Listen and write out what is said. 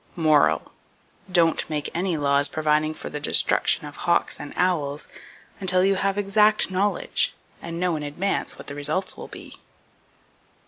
Moral: Don't make any laws providing for the destruction of hawks and owls until you have exact knowledge, and know in advance what the results will be.